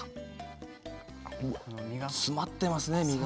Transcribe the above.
身が詰まってますね身が。